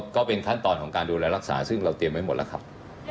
ก็เป็นขั้นตอนของการดูแลรักษาซึ่งเราเตรียมไว้หมดแล้วครับ